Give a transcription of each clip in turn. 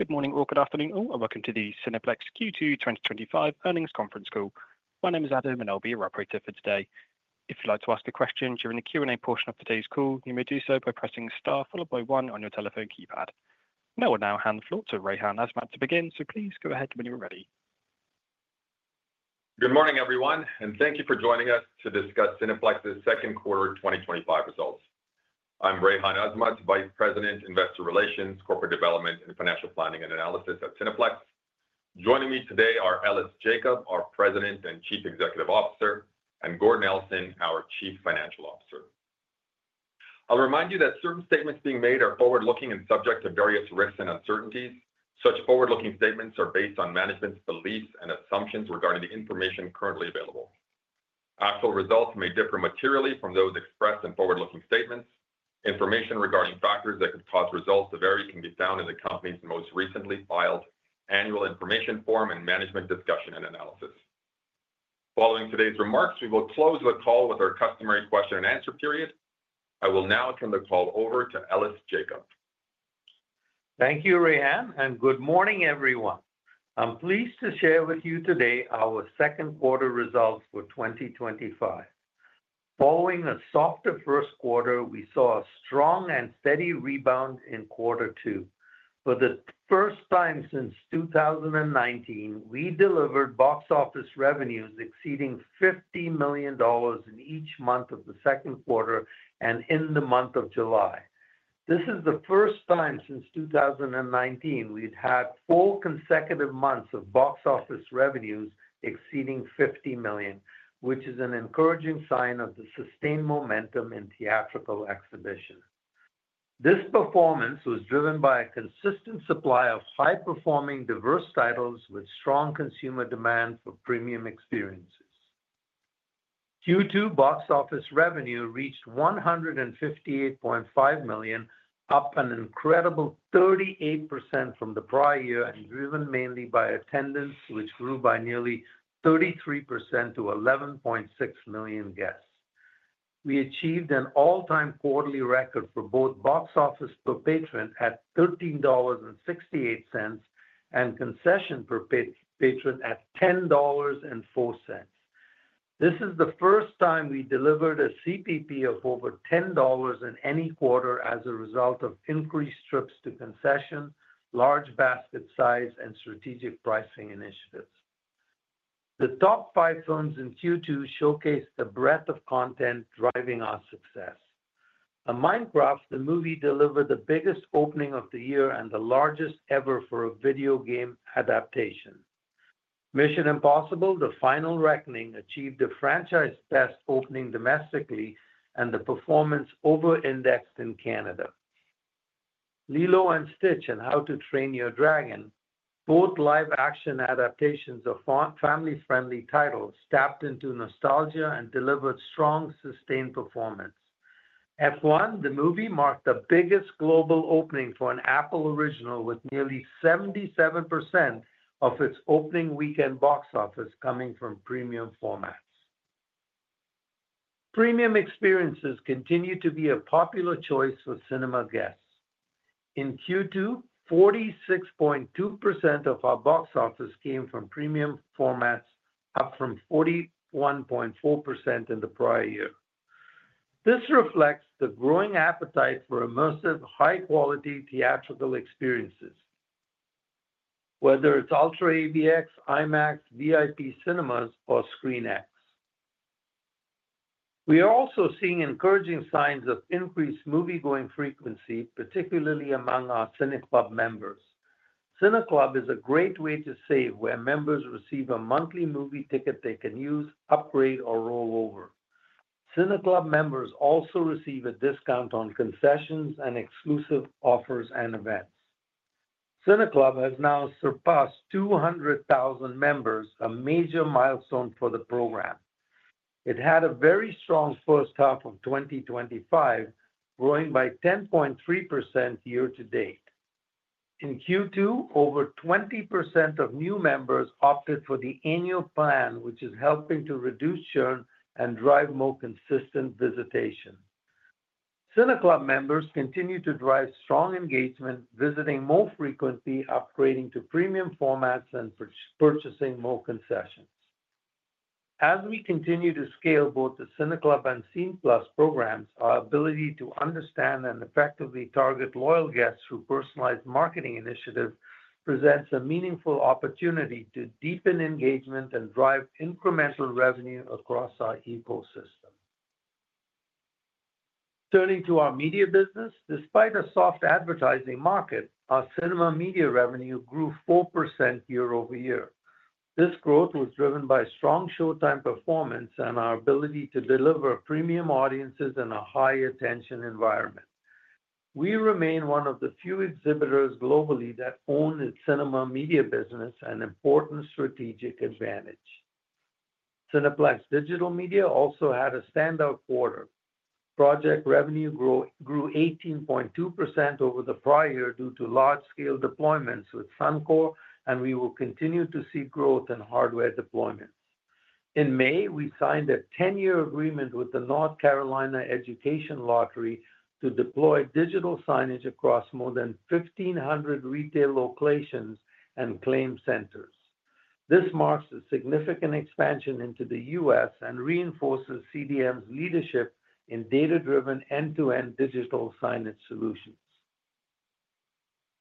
Good morning or good afternoon, and welcome to the Cineplex Q2 2025 Earnings Conference Call. My name is Adam and I'll be your operator for today. If you'd like to ask a question during the Q&A portion of today's call, you may do so by pressing star followed by one on your telephone keypad. I'll now hand the floor to Rayhan Azmat to begin, so please go ahead when you're ready. Good morning everyone, and thank you for joining us to discuss Cineplex's Second Quarter 2025 Results. I'm Rayhan Azmat, Vice President, Investor Relations, Corporate Development, and Financial Planning and Analysis at Cineplex. Joining me today are Ellis Jacob, our President and Chief Executive Officer, and Gord Nelson, our Chief Financial Officer. I'll remind you that certain statements being made are forward-looking and subject to various risks and uncertainties. Such forward-looking statements are based on management's beliefs and assumptions regarding the information currently available. Actual results may differ materially from those expressed in forward-looking statements. Information regarding factors that could cause results to vary can be found in the company's most recently filed annual information form and management discussion and analysis. Following today's remarks, we will close the call with our customary question-and-answer period. I will now turn the call over to Ellis Jacob. Thank you, Rayhan, and good morning everyone. I'm pleased to share with you today our second-quarter results for 2025. Following a softer first quarter, we saw a strong and steady rebound in quarter two. For the first time since 2019, we delivered box office revenue exceeding $50 million in each month of the second quarter and in the month of July. This is the first time since 2019 we'd had four consecutive months of box office revenue exceeding $50 million, which is an encouraging sign of the sustained momentum in theatrical exhibition. This performance was driven by a consistent supply of high-performing diverse titles with strong consumer demand for premium experiences. Q2 box office revenue reached $158.5 million, up an incredible 38% from the prior year, and driven mainly by attendance, which grew by nearly 33% to 11.6 million guests. We achieved an all-time quarterly record for both box office per patron at $13.68 and concession per patron at $10.04. This is the first time we delivered a CPP of over $10 in any quarter as a result of increased trips to concession, large basket size, and strategic pricing initiatives. The top five films in Q2 showcased the breadth of content driving our success. Minecraft, the movie delivered the biggest opening of the year and the largest ever for a video game adaptation. Mission: Impossible, The Final Reckoning, achieved a franchise best opening domestically and the performance over-indexed in Canada. Lilo & Stitch and How to Train Your Dragon, both live-action adaptations of family-friendly titles, tapped into nostalgia and delivered strong, sustained performance. F1 The Movie, marked the biggest global opening for an Apple original with nearly 77% of its opening weekend box office coming from premium formats. Premium experiences continue to be a popular choice for cinema guests. In Q2, 46.2% of our box office came from premium formats, up from 41.4% in the prior year. This reflects the growing appetite for immersive, high-quality theatrical experiences, whether it's UltraAVX, IMAX, VIP Cinemas, or ScreenX. We are also seeing encouraging signs of increased movie-going frequency, particularly among our CineClub members. CineClub is a great way to save where members receive a monthly movie ticket they can use, upgrade, or roll over. CineClub members also receive a discount on concessions and exclusive offers and events. CineClub has now surpassed 200,000 members, a major milestone for the program. It had a very strong first half of 2025, growing by 10.3% year-to-date. In Q2, over 20% of new members opted for the annual plan, which is helping to reduce churn and drive more consistent visitation. CineClub members continue to drive strong engagement, visiting more frequently, upgrading to premium formats, and purchasing more concessions. As we continue to scale both the CineClub and Scene+ programs, our ability to understand and effectively target loyal guests through personalized marketing initiatives presents a meaningful opportunity to deepen engagement and drive incremental revenue across our ecosystem. Turning to our media business, despite a soft advertising market, our cinema media revenue grew 4% year-over-year. This growth was driven by strong showtime performance and our ability to deliver premium audiences in a high-attention environment. We remain one of the few exhibitors globally that own its cinema media business, an important strategic advantage. Cineplex Digital Media also had a standout quarter. Project revenue grew 18.2% over the prior year due to large-scale deployments with Suncor, and we will continue to see growth in hardware deployment. In May, we signed a 10-year agreement with the North Carolina Education Lottery to deploy digital signage across more than 1,500 retail locations and claim centers. This marks a significant expansion into the U.S. and reinforces CDM leadership in data-driven end-to-end digital signage solutions.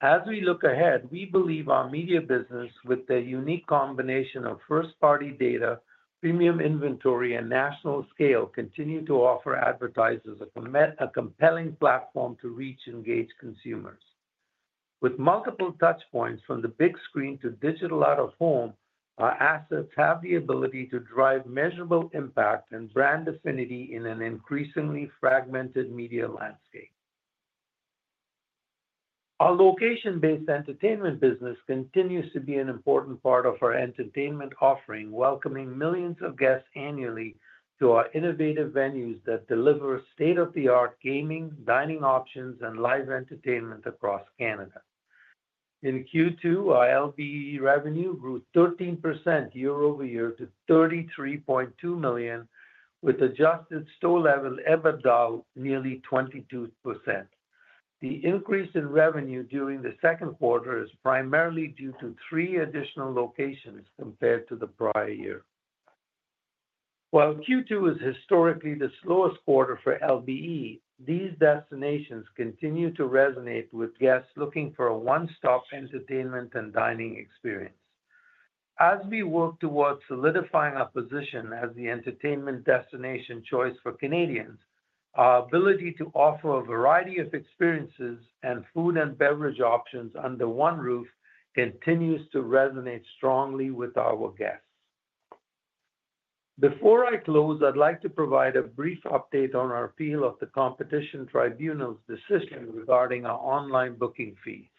As we look ahead, we believe our media business, with their unique combination of first-party data, premium inventory, and national scale, continues to offer advertisers a compelling platform to reach engaged consumers. With multiple touchpoints from the big screen to digital out of home, our assets have the ability to drive measurable impact and brand affinity in an increasingly fragmented media landscape. Our location-based entertainment business continues to be an important part of our entertainment offering, welcoming millions of guests annually to our innovative venues that deliver state-of-the-art gaming, dining options, and live entertainment across Canada. In Q2, our LBE revenue grew 13% year-over-year to $33.2 million, with adjusted store-level EBITDA nearly 22%. The increase in revenue during the second quarter is primarily due to three additional locations compared to the prior year. While Q2 was historically the slowest quarter for LBE, these destinations continue to resonate with guests looking for a one-stop entertainment and dining experience. As we work towards solidifying our position as the entertainment destination choice for Canadians, our ability to offer a variety of experiences and food and beverage options under one roof continues to resonate strongly with our guests. Before I close, I'd like to provide a brief update on our appeal of the Competition Tribunal's decision regarding our online booking fee.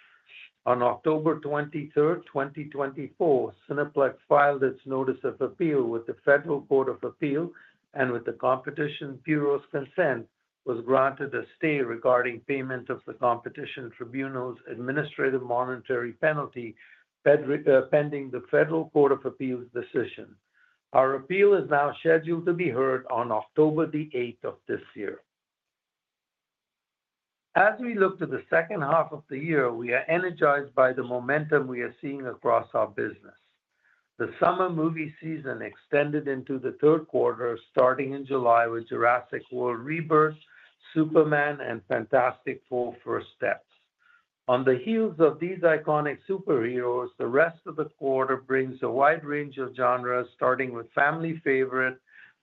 On October 23rd, 2024, Cineplex filed its Notice of Appeal with the Federal Court of Appeal and, with the Competition Bureau's consent, was granted a stay regarding payment of the Competition Tribunal's administrative monetary penalty pending the Federal Court of Appeal's decision. Our appeal is now scheduled to be heard on October the 8 of this year. As we look to the second half of the year, we are energized by the momentum we are seeing across our business. The summer movie season extended into the third quarter, starting in July with Jurassic World Rebirth, Superman, and Fantastic Four: First Steps. On the heels of these iconic superheroes, the rest of the quarter brings a wide range of genres, starting with family favorite,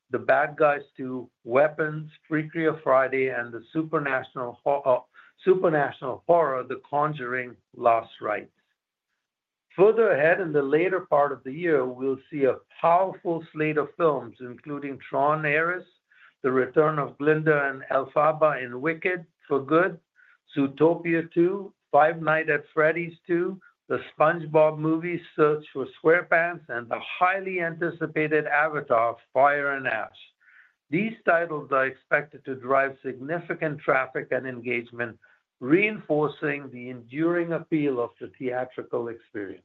The Bad Guys 2, Weapons, Freakier Friday, and the supernatural horror, The Conjuring: Last Rite. Further ahead, in the later part of the year, we'll see a powerful slate of films, including Tron: Ares, The Return of Glinda, and Elphaba in Wicked: For Good, Zootopia 2, Five Nights at Freddy's 2, The SpongeBob Movie: Search for SquarePants, and the highly anticipated Avatar: Fire and Ash. These titles are expected to drive significant traffic and engagement, reinforcing the enduring appeal of the theatrical experience.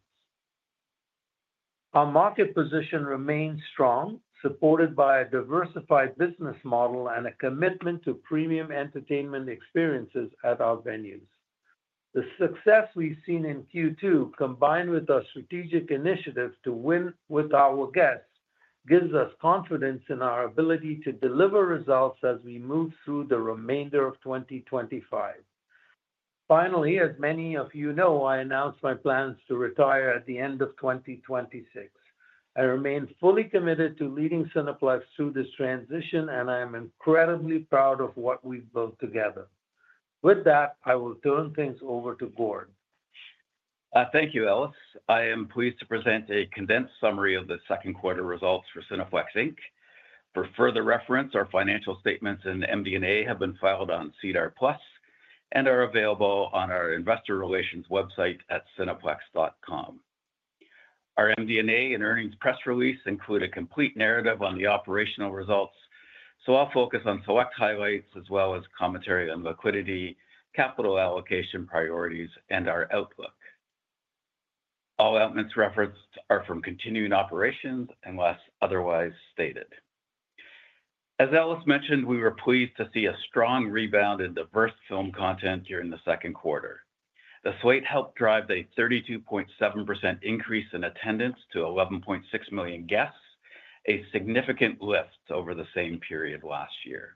Our market position remains strong, supported by a diversified business model and a commitment to premium entertainment experiences at our venues. The success we've seen in Q2, combined with our strategic initiative to win with our guests, gives us confidence in our ability to deliver results as we move through the remainder of 2025. Finally, as many of you know, I announced my plans to retire at the end of 2026. I remain fully committed to leading Cineplex through this transition, and I am incredibly proud of what we've built together. With that, I will turn things over to Gord. Thank you, Ellis. I am pleased to present a condensed summary of the second quarter results for Cineplex Inc. For further reference, our financial statements and MD&A have been filed on SEDAR+ and are available on our investor relations website at cineplex.com. Our MD&A and earnings press release include a complete narrative on the operational results, so I'll focus on select highlights as well as commentary on liquidity, capital allocation priorities, and our outlook. All elements referenced are from continuing operations unless otherwise stated. As Ellis mentioned, we were pleased to see a strong rebound in diverse film content during the second quarter. The slate helped drive a 32.7% increase in attendance to 11.6 million guests, a significant lift over the same period last year.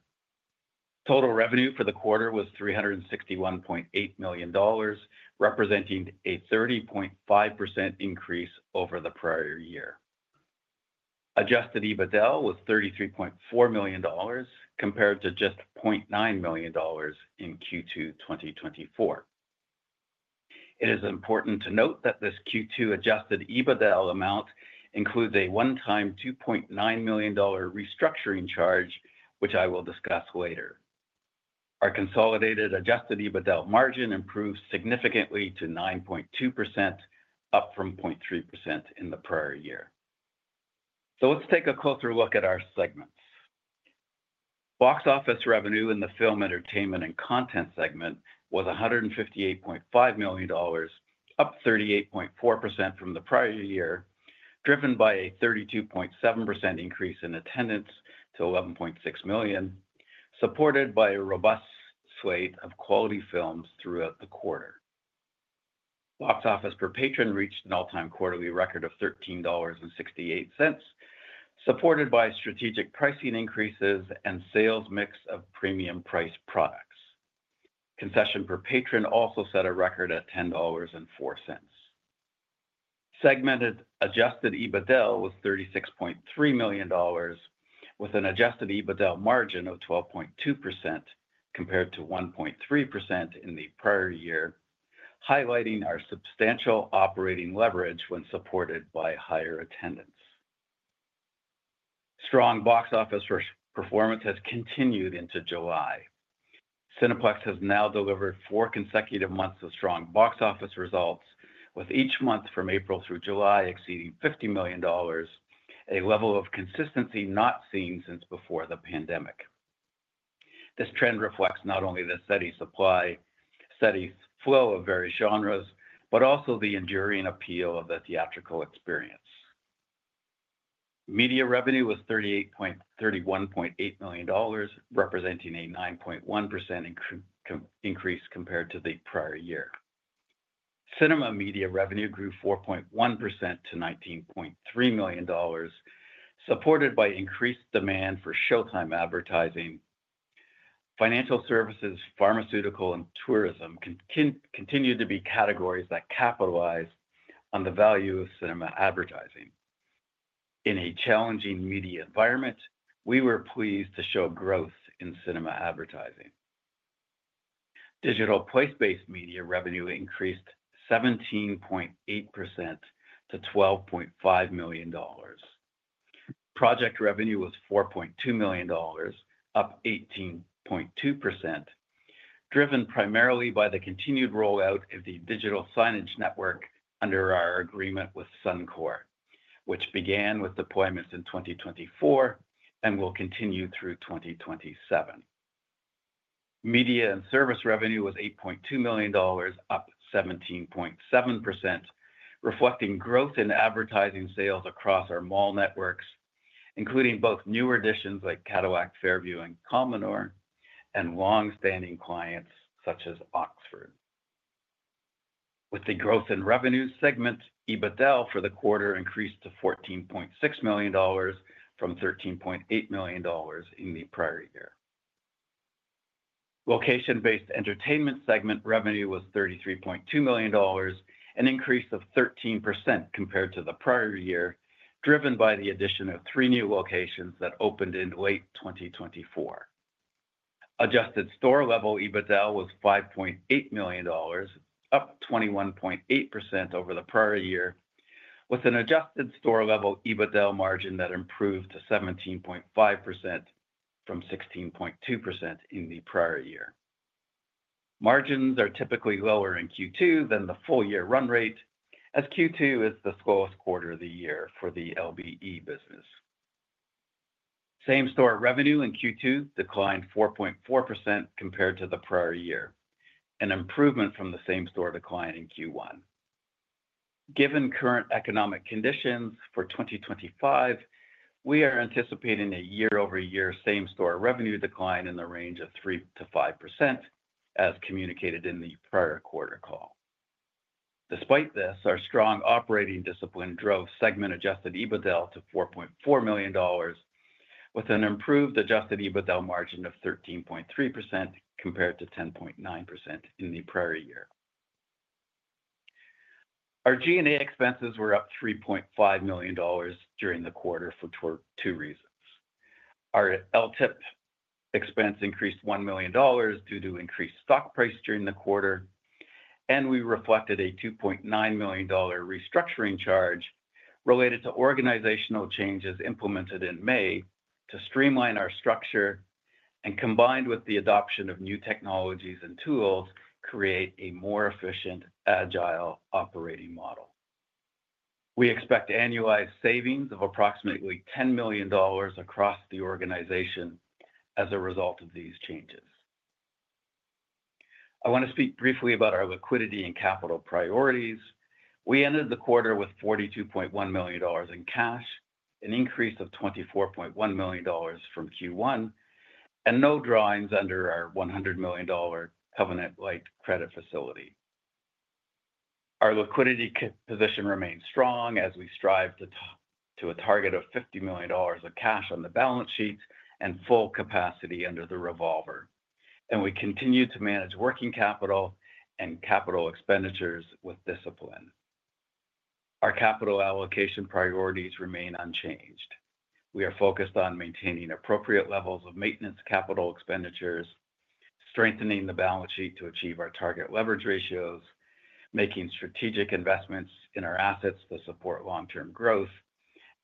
Total revenue for the quarter was $361.8 million, representing a 30.5% increase over the prior year. Adjusted EBITDA was $33.4 million, compared to just $0.9 million in Q2 2023. It is important to note that this Q2 adjusted EBITDA amount includes a one-time $2.9 million restructuring charge, which I will discuss later. Our consolidated adjusted EBITDA margin improved significantly to 9.2%, up from 0.3% in the prior year. Let's take a closer look at our segments. Box office revenue in the film, entertainment, and content segment was $158.5 million, up 38.4% from the prior year, driven by a 32.7% increase in attendance to 11.6 million, supported by a robust slate of quality films throughout the quarter. Box office per patron reached an all-time quarterly record of $13.68, supported by strategic pricing increases and sales mix of premium-priced products. Concession per patron also set a record at $10.04. Segmented adjusted EBITDA was $36.3 million, with an adjusted EBITDA margin of 12.2% compared to 1.3% in the prior year, highlighting our substantial operating leverage when supported by higher attendance. Strong box office performance has continued into July. Cineplex has now delivered four consecutive months of strong box office results, with each month from April through July exceeding $50 million, a level of consistency not seen since before the pandemic. This trend reflects not only the steady supply, steady flow of various genres, but also the enduring appeal of the theatrical experience. Media revenue was $38.8 million, representing a 9.1% increase compared to the prior year. Cinema media revenue grew 4.1% to $19.3 million, supported by increased demand for showtime advertising. Financial services, pharmaceutical, and tourism continue to be categories that capitalize on the value of cinema advertising. In a challenging media environment, we were pleased to show growth in cinema advertising. Digital place-based media revenue increased 17.8% to $12.5 million. Project revenue was $4.2 million, up 18.2%, driven primarily by the continued rollout of the digital signage network under our agreement with Suncor, which began with deployments in 2024 and will continue through 2027. Media and service revenue was $8.2 million, up 17.7%, reflecting growth in advertising sales across our mall networks, including both newer additions like Cadillac Fairview and Commonore, and long-standing clients such as Oxford. With the growth in revenue segment, EBITDA for the quarter increased to $14.6 million from $13.8 million in the prior year. Location-based entertainment segment revenue was $33.2 million, an increase of 13% compared to the prior year, driven by the addition of three new locations that opened in late 2024. Adjusted store-level EBITDA was $5.8 million, up 21.8% over the prior year, with an adjusted store level EBITDA margin that improved to 17.5% from 16.2% in the prior year. Margins are typically lower in Q2 than the full year run rate, as Q2 is the slowest quarter of the year for the LBE business. Same-store revenue in Q2 declined 4.4% compared to the prior year, an improvement from the same-store decline in Q1. Given current economic conditions for 2025, we are anticipating a year-over-year same-store revenue decline in the range of 3%-5%, as communicated in the prior quarter call. Despite this, our strong operating discipline drove segment-adjusted EBITDA to $4.4 million, with an improved adjusted EBITDA margin of 13.3% compared to 10.9% in the prior year. Our G&A expenses were up $3.5 million during the quarter for two reasons. Our LTIP expense increased $1 million due to increased stock price during the quarter, and we reflected a $2.9 million restructuring charge related to organizational changes implemented in May to streamline our structure and, combined with the adoption of new technologies and tools, create a more efficient, agile operating model. We expect annualized savings of approximately $10 million across the organization as a result of these changes. I want to speak briefly about our liquidity and capital priorities. We ended the quarter with $42.1 million in cash, an increase of $24.1 million from Q1, and no drawings under our $100 million Covenant Light credit facility. Our liquidity position remains strong as we strive to a target of $50 million of cash on the balance sheet and full capacity under the revolver, and we continue to manage working capital and capital expenditures with discipline. Our capital allocation priorities remain unchanged. We are focused on maintaining appropriate levels of maintenance capital expenditures, strengthening the balance sheet to achieve our target leverage ratios, making strategic investments in our assets to support long-term growth,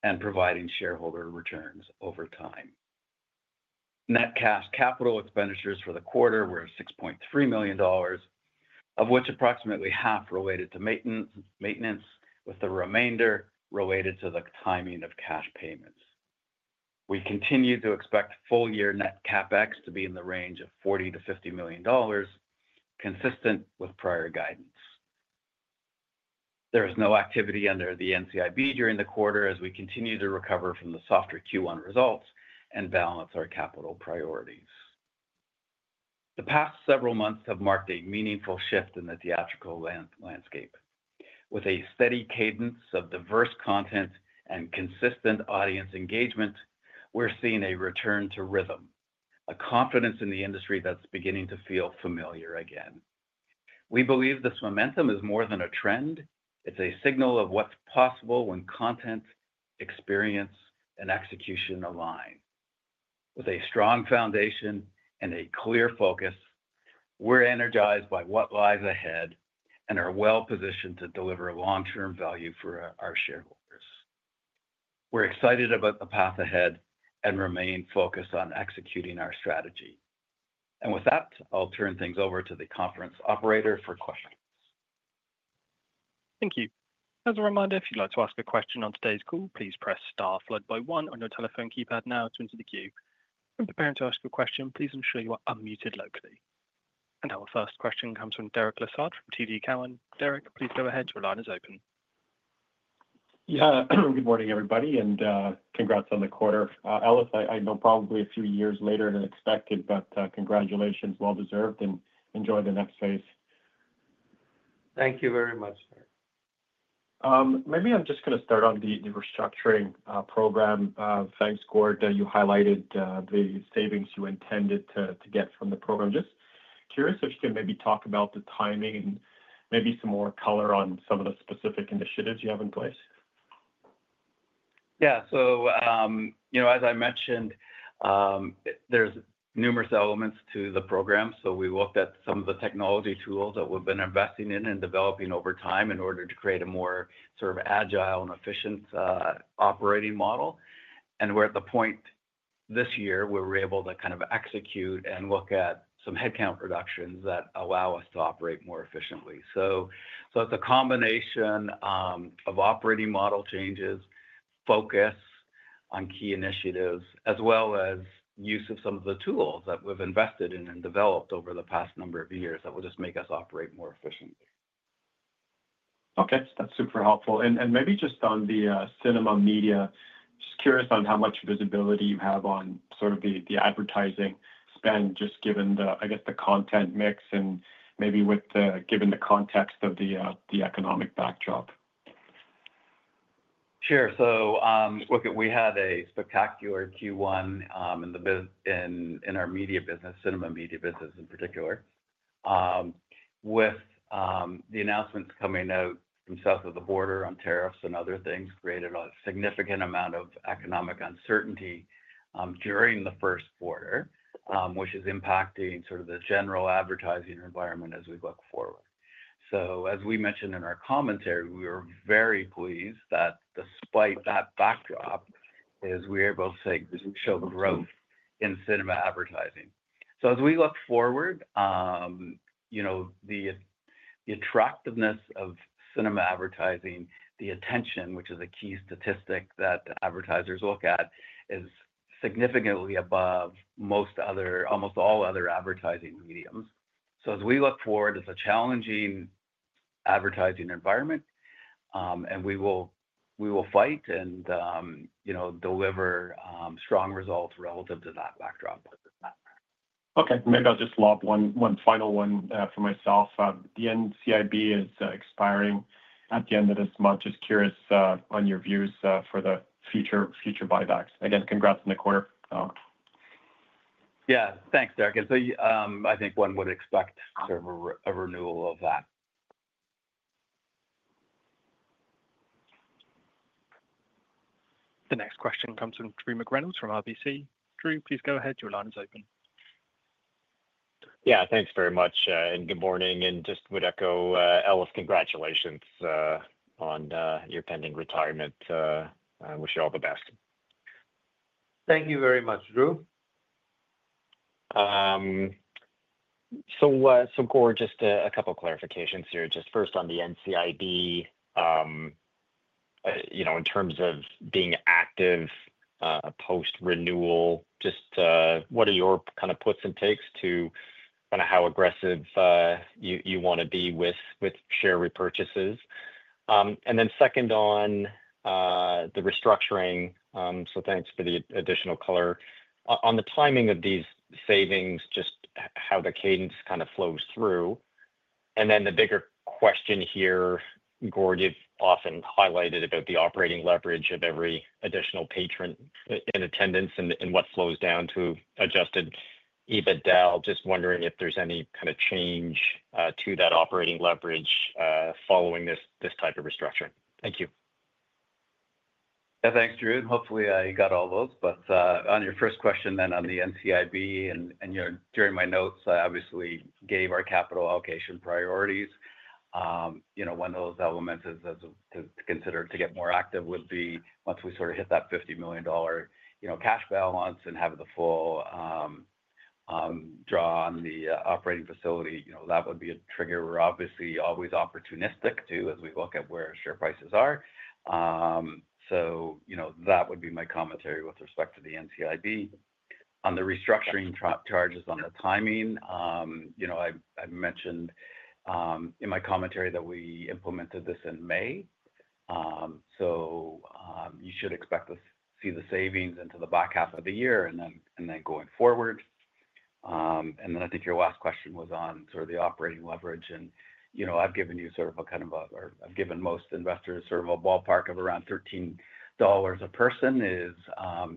and providing shareholder returns over time. Net cash capital expenditures for the quarter were $6.3 million, of which approximately half related to maintenance, with the remainder related to the timing of cash payments. We continue to expect full-year net CapEx to be in the range of $40 million-$50 million, consistent with prior guidance. There is no activity under the NCIB during the quarter as we continue to recover from the softer Q1 results and balance our capital priorities. The past several months have marked a meaningful shift in the theatrical landscape. With a steady cadence of diverse content and consistent audience engagement, we're seeing a return to rhythm, a confidence in the industry that's beginning to feel familiar again. We believe this momentum is more than a trend; it's a signal of what's possible when content, experience, and execution align. With a strong foundation and a clear focus, we're energized by what lies ahead and are well-positioned to deliver long-term value for our shareholders. We're excited about the path ahead and remain focused on executing our strategy. I'll turn things over to the conference operator for questions. Thank you. As a reminder, if you'd like to ask a question on today's call, please press star followed by one on your telephone keypad now to enter the queue. If you're preparing to ask a question, please ensure you are unmuted locally. Our first question comes from Derek Lessard from TD Cowen. Derek, please go ahead. Your line is open. Good morning everybody, and congrats on the quarter. Ellis, I know probably a few years later than expected, but congratulations, well deserved, and enjoy the next phase. Thank you very much, sir. Maybe I'm just going to start on the restructuring program. Thanks, Gord, that you highlighted the savings you intended to get from the program. Just curious if you can maybe talk about the timing and maybe some more color on some of the specific initiatives you have in place. Yeah. As I mentioned, there's numerous elements to the program. We looked at some of the technology tools that we've been investing in and developing over time in order to create a more sort of agile and efficient operating model. We're at the point this year where we're able to kind of execute and look at some headcount reductions that allow us to operate more efficiently. It's a combination of operating model changes, focus on key initiatives, as well as use of some of the tools that we've invested in and developed over the past number of years that will just make us operate more efficiently. Okay, that's super helpful. Maybe just on the cinema media, just curious on how much visibility you have on the advertising spend, given the content mix and given the context of the economic backdrop. Sure. Look, we had a spectacular Q1 in our media business, cinema media business in particular. With the announcements coming out from south of the border on tariffs and other things, it created a significant amount of economic uncertainty during the first quarter, which is impacting the general advertising environment as we look forward. As we mentioned in our commentary, we were very pleased that despite that backdrop, we were able to show growth in cinema advertising. As we look forward, the attractiveness of cinema advertising, the attention, which is a key statistic that advertisers look at, is significantly above most other, almost all other advertising mediums. As we look forward, it's a challenging advertising environment, and we will fight and deliver strong results relative to that backdrop. Okay, maybe I'll just lob one final one for myself. The NCIB is expiring at the end of this month. Just curious on your views for the future buybacks. Again, congrats on the quarter. Thank you, Derek. I think one would expect sort of a renewal of that. The next question comes from Drew McReynolds from RBC. Drew, please go ahead. Your line's open. Thank you very much, and good morning. I just would echo Ellis, congratulations on your pending retirement. I wish you all the best. Thank you very much, Drew. Gord, just a couple of clarifications here. First, on the NCIB, in terms of being active post-renewal, what are your kind of puts and takes to how aggressive you want to be with share repurchases? Second, on the restructuring, thanks for the additional color on the timing of these savings, just how the cadence flows through. The bigger question here, Gord, you've often highlighted the operating leverage of every additional patron in attendance and what flows down to adjusted EBITDA. Just wondering if there's any kind of change to that operating leverage following this type of restructuring. Thank you. Yeah, thanks, Drew. Hopefully, you got all those. On your first question, on the NCIB, during my notes, I obviously gave our capital allocation priorities. One of those elements to consider to get more active would be once we sort of hit that $50 million cash balance and have the full draw on the operating facility. That would be a trigger. We're obviously always opportunistic too, as we look at where share prices are. That would be my commentary with respect to the NCIB. On the restructuring charges, on the timing, I mentioned in my commentary that we implemented this in May. You should expect to see the savings into the back half of the year and then going forward. I think your last question was on the operating leverage. I've given you, or I've given most investors, sort of a ballpark of around $13 a person is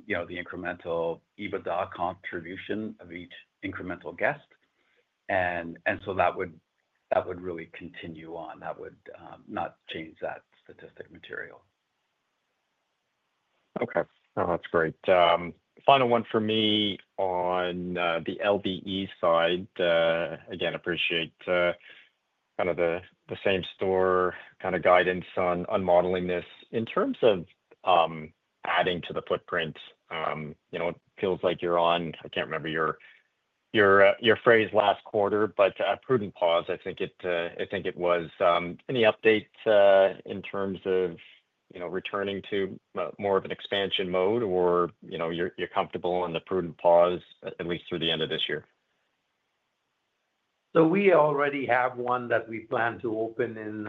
the incremental EBITDA contribution of each incremental guest. That would really continue on. That would not change that statistic material. Okay. No, that's great. Final one for me on the LBE side. I appreciate kind of the same-store guidance on modeling this in terms of adding to the footprint. It feels like you're on, I can't remember your phrase last quarter, but a prudent pause. I think it was. Any update in terms of returning to more of an expansion mode, or you're comfortable in the prudent pause at least through the end of this year? We already have one that we plan to open in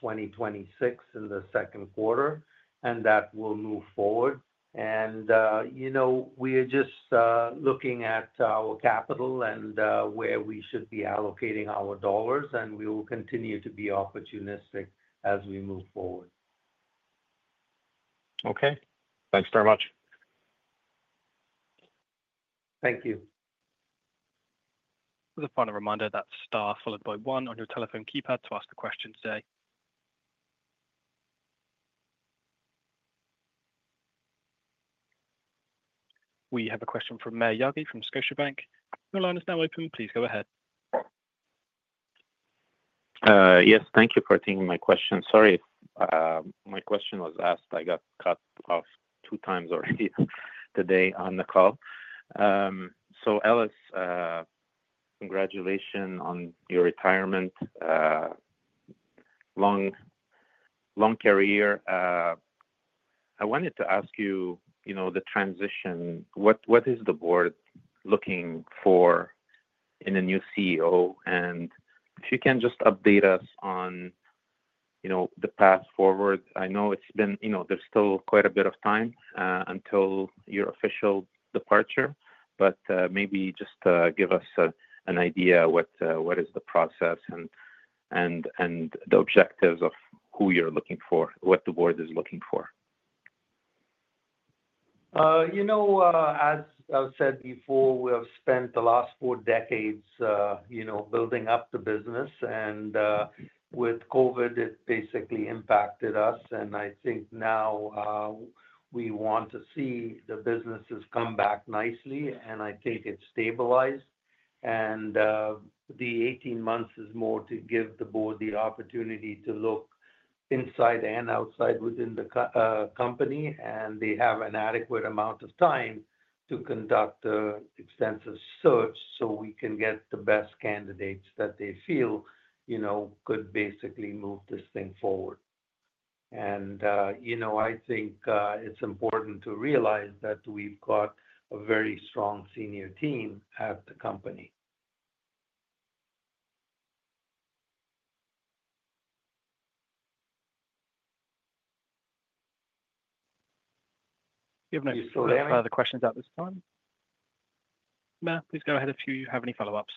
2026 in the second quarter, and that will move forward. We are just looking at our capital and where we should be allocating our dollars, and we will continue to be opportunistic as we move forward. Okay, thanks very much. Thank you. For the final reminder, that's star led by one on your telephone keypad to ask the question today. We have a question from Maher Yaghi from Scotiabank. Your line is now open. Please go ahead. Yes, thank you for taking my question. Sorry, my question was asked. I got cut off two times already today on the call. Ellis, congratulations on your retirement. Long career. I wanted to ask you, you know, the transition. What is the board looking for in a new CEO? If you can just update us on the path forward. I know it's been, you know, there's still quite a bit of time until your official departure, but maybe just give us an idea of what is the process and the objectives of who you're looking for, what the board is looking for. As I've said before, we have spent the last four decades building up the business, and with COVID, it basically impacted us. I think now we want to see the businesses come back nicely, and I think it's stabilized. The 18 months is more to give the board the opportunity to look inside and outside within the company, and they have an adequate amount of time to conduct an extensive search so we can get the best candidates that they feel could basically move this thing forward. I think it's important to realize that we've got a very strong senior team at the company. We have no further questions at this time. Maher, please go ahead if you have any follow-ups.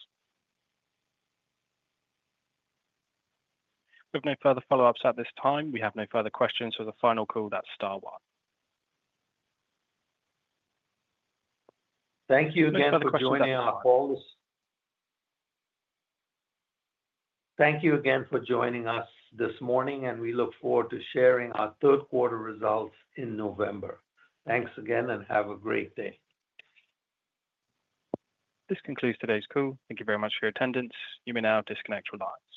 We have no further follow-ups at this time. We have no further questions. For the final call, that's star one. Thank you again for joining our call. Thank you again for joining us this morning, and we look forward to sharing our third-quarter results in November. Thanks again, and have a great day. This concludes today's call. Thank you very much for your attendance. You may now disconnect your lines.